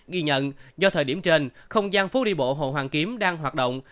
ghi nhận do thời điểm trên không gian phố đi bộ hồ hoàn kiếm đang hoạt động